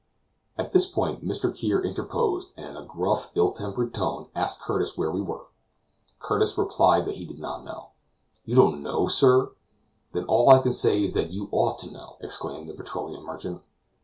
At this point Mr. Kear interposed, and in a gruff, ill tempered tone, asked Curtis where we were. Curtis replied that he did not know. "You don't know, sir? Then all I can say is that you ought to know!" exclaimed the petroleum merchant.